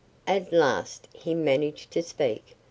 At last he managed to speak.